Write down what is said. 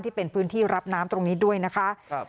ที่เป็นพื้นที่รับน้ำตรงนี้ด้วยนะคะ